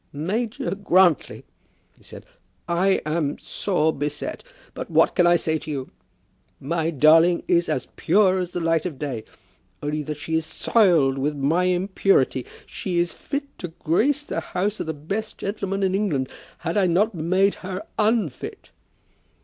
"Major Grantly," he said, "I am sore beset; but what can I say to you? My darling is as pure as the light of day, only that she is soiled with my impurity. She is fit to grace the house of the best gentleman in England, had I not made her unfit."